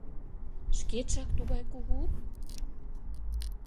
— Шкетшак тугай кугу?